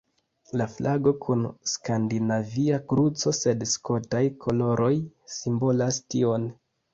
La flago kun Skandinavia kruco sed Skotaj koloroj simbolas tion.